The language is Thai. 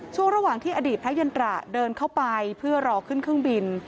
ช่วงระหว่างที่อดีตพระยันตราเดินเข้าไปเพื่อรอขึ้นเครื่องบิน